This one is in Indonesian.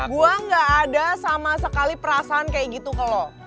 gue gak ada sama sekali perasaan kayak gitu kalau